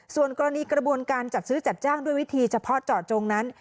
ส่วนกรณีกระบวนการจัดซื้อจัดจ้างด้วยวิธีเฉพาะเจาะจงนั้น